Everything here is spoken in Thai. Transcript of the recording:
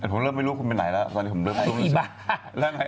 ผมเริ่มไม่รู้คุณเป็นไหนแล้วตอนนี้ผมเริ่มรู้สิ